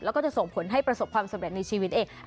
แล้วก็จะส่งผลให้ประสบความสำเร็จในชีวิตเอง